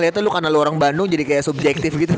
kayaknya lo karena lo orang bandung jadi kayak subjektif gitu